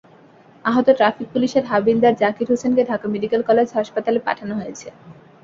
আহত ট্রাফিক পুলিশের হাবিলদার জাকির হোসেনকে ঢাকা মেডিকেল কলেজ হাসপাতালে পাঠানো হয়েছে।